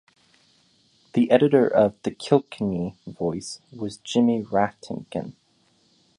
The editor of "The Kilkenny Voice" was Jimmy Rhatigan.